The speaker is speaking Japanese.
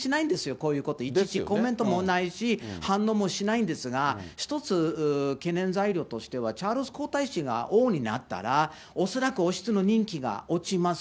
こういうこと、いちいちコメントもないし、反応もしないんですが、１つ懸念材料としては、チャールズ皇太子が王になったら、恐らく王室の人気が落ちます。